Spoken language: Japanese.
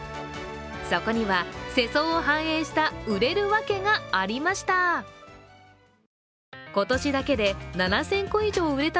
そこには世相を反映した売れるワケがありました。